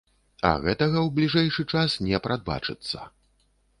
А гэтага ў бліжэйшы час не прадбачыцца.